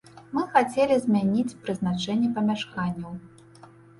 Мы хацелі змяніць прызначэнне памяшканняў.